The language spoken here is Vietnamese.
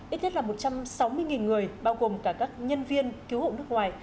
ít nhất là một trăm sáu mươi người bao gồm cả các nhân viên cứu hộ nước ngoài